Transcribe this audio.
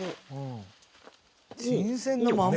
新鮮なまんま！